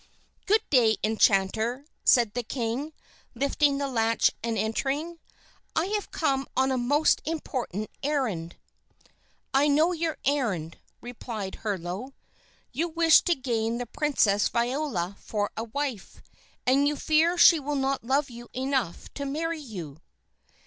"Good day, Enchanter," said the king, lifting the latch and entering; "I have come on a most important errand." "I know your errand," replied Herlo; "you wish to gain the princess Viola for a wife, and you fear she will not love you enough to marry you."